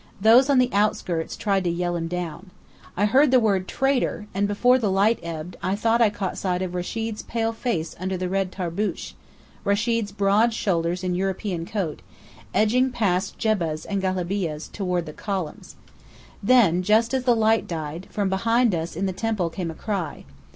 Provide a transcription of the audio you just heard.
Those on the outskirts tried to yell him down. I heard the word "traitor!" and before the light ebbed I thought I caught sight of Rechid's pale face under the red tarboosh, Rechid's broad shoulders in European coat, edging past jebbahs and galabeahs, toward the columns. Then, just as the light died, from behind us in the temple came a cry.